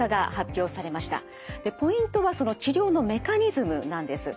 ポイントはその治療のメカニズムなんです。